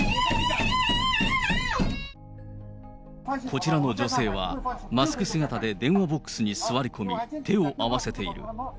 こちらの女性は、マスク姿で電話ボックスに座り込み、手を合わせている。